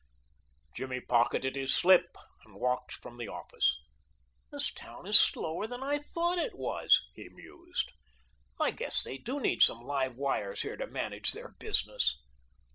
Jimmy pocketed his slip and walked from the office. "This town is slower than I thought it was," he mused. "'I guess they do need some live wires here to manage their business."